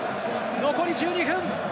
残り１２分。